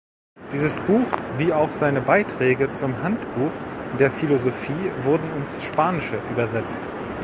Dieses Buch wie auch seine Beiträge zum Handbuch der Philosophie wurden ins Spanische übersetzt.